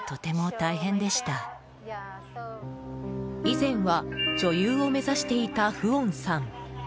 以前は女優を目指していたフオンさん。